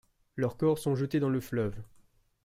Leurs corps sont jetés dans le fleuve.